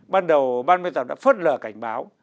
ban đầu ban biên tập đã phớt lờ cảnh báo